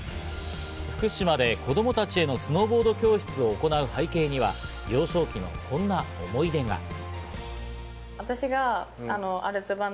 福島で子供たちへのスノーボード教室を行う背景には幼少期のこんな思い出が。